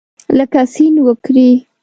لکه سیند وکرې